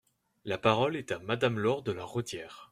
La parole est à Madame Laure de La Raudière.